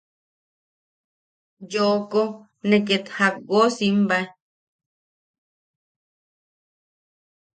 Yooko ne ket jakko simbae.